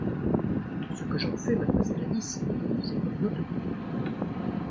Ce que j’en fais, mademoiselle Alice, c’est pour nous deux !